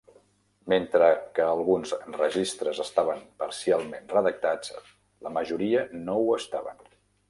Mentre que alguns registres estaven parcialment redactats, la majoria no ho estaven.